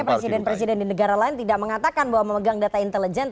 masalahnya presiden presiden di negara lain tidak mengatakan bahwa memiliki kepentingan politik itu